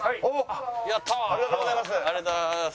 ありがとうございます。